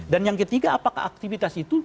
dan yang ketiga apakah aktivitas itu